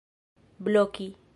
bloki